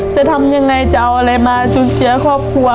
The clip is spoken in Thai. จะทำยังไงจะเอาอะไรมาจุนเจือครอบครัว